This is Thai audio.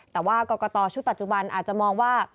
แต่ว่ากรกตชุดปัจจุบันอาจจะมองว่า